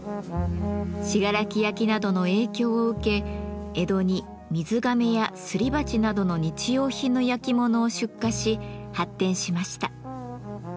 信楽焼などの影響を受け江戸に水がめやすり鉢などの日用品の焼き物を出荷し発展しました。